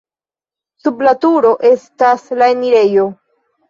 Sub la turo estas la enirejo.